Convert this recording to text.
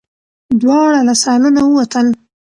دواړه له سالونه ووتل.